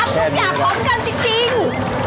ทุกอย่างพร้อมกันจริง